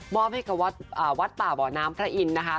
อบให้กับวัดป่าบ่อน้ำพระอินทร์นะคะ